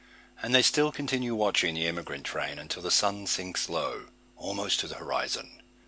And they still continue watching the emigrant train until the sun sinks low almost to the horizon.